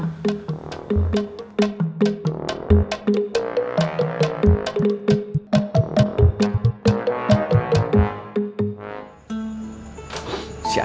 si acing lama sekali ya